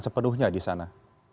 sepenuhnya di sana